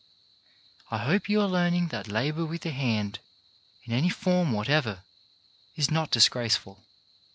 I hope you are learning that labour with the hand, in any form whatever, is not disgraceful.